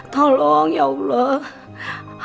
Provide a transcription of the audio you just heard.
tolong ya allah